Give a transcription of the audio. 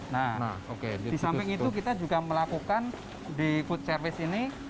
nah di samping itu kita juga melakukan di food service ini